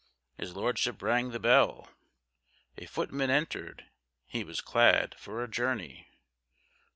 His Lordship rang the bell. A footman entered. He was clad for a journey.